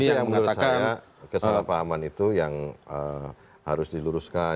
ini yang menurut saya kesalahpahaman itu yang harus diluruskan